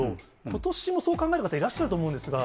ことしもそう考える方、いらっしゃると思うんですが。